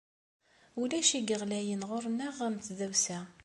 Ulac i yeɣlayen ɣur-neɣ am tdawsa.